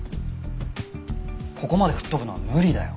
ここまで吹っ飛ぶのは無理だよ。